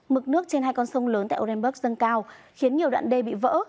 mực nước trên hai con sông lớn tại orenburg dâng cao khiến nhiều đoạn đê bị vỡ